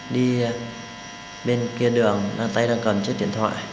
đi bên kia đường ra tay đang cầm chiếc điện thoại